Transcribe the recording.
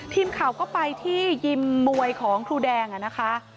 ทีมข่าวก็ไปที่ยิมมวยของครูแดงนะคะ